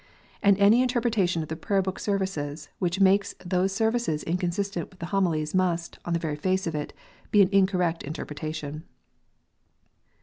And any interpretation of the Prayer book Services which makes those Services inconsistent with the Homi lies must, on the very face of it, be an incorrect interpretation.